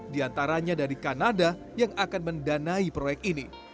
di antaranya dari kanada yang akan mendanai proyek ini